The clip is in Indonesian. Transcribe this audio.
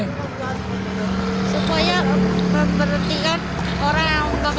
supaya memperhatikan orang yang membakar hutan